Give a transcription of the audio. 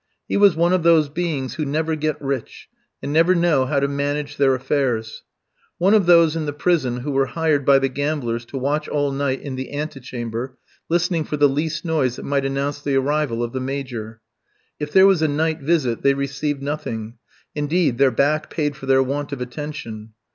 He was one of those beings who never get rich, and never know how to manage their affairs; one of those in the prison who were hired by the gamblers to watch all night in the ante chamber, listening for the least noise that might announce the arrival of the Major. If there was a night visit they received nothing, indeed their back paid for their want of attention.